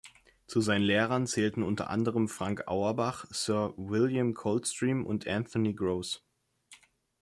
Zu seinen Lehrern zählten unter anderem "Frank Auerbach", "Sir William Coldstream" und "Anthony Gross".